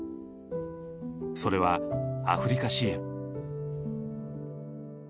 それはアフリカ支援。